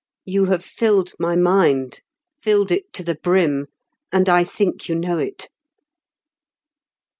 You have filled my mind; filled it to the brim, and I think you know it."